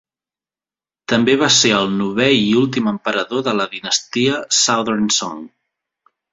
També va ser el novè i últim emperador de la dinastia Southern Song.